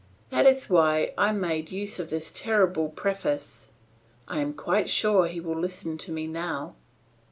That is why I made use of this terrible preface; I am quite sure he will listen to me now.